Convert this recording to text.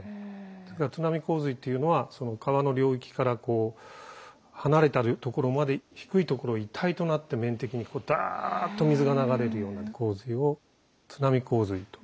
それから津波洪水というのは川の領域からこう離れたところまで低いところ一体となって面的にダーッと水が流れるような洪水を津波洪水と。